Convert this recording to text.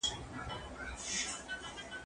که وخت وي، درسونه اورم!؟